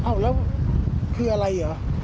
เอ้าแล้วคืออะไรหรอ